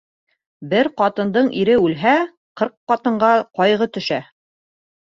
Бер ҡатындың ире үлһә, ҡырҡ ҡатынға ҡайғы төшә.